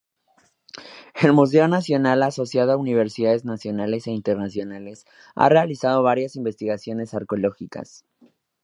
El Museo Nacional, asociado a universidades nacionales e internacionales, ha realizado varias investigaciones arqueológicas.